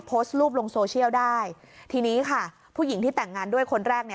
โพสต์รูปลงโซเชียลได้ทีนี้ค่ะผู้หญิงที่แต่งงานด้วยคนแรกเนี่ย